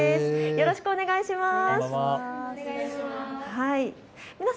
よろしくお願いします。